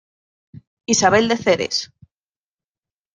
Isabel de Ceres".